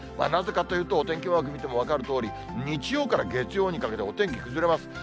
なぜかというと、お天気マーク見ても分かるとおり、日曜から月曜にかけて、お天気崩れます。